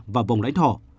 và vòng lãnh thổ